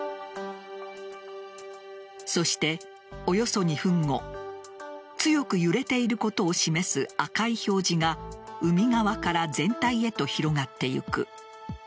そして、およそ２分後強く揺れていることを示す赤い表示が海側から全体へと広がっていく。